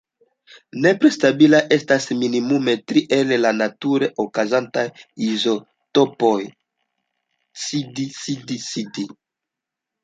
Nepre stabilaj estas minimume tri el la nature okazantaj izotopoj: Cd, Cd, Cd.